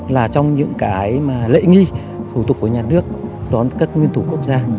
là trong những cái mà lễ nghi thủ tục của nhà nước đón các nguyên thủ quốc gia